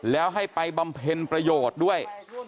แล้วให้ไปบำเพ็ญประโยชน์ด้วย